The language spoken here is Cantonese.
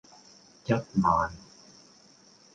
一萬